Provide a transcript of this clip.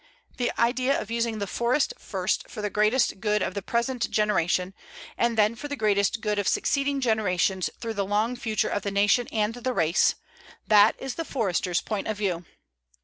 The idea of using the forest first for the greatest good of the present generation, and then for the greatest good of succeeding generations through the long future of the nation and the race that is the Forester's point of view.